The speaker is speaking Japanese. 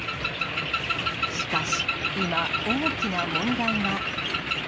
しかし、今、大きな問題が。